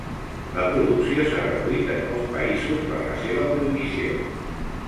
La producció s'ha reduït en molts països per la seva prohibició.